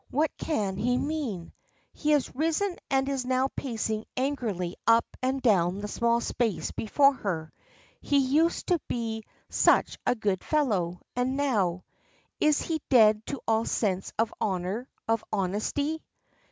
What can he mean?" he has risen and is now pacing angrily up and down the small space before her. "He used to be such a good fellow, and now Is he dead to all sense of honor, of honesty?"